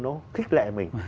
nó thích lệ mình